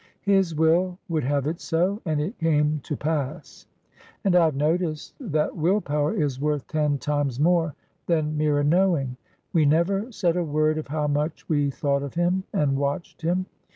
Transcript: His will would have it so, and it came to pass. And I have noticed that will power is worth ten 470 I IN THE SOUTH AFRICAN ARMY times more than mere knowing. We never said a word of how much we thought of him and watched him.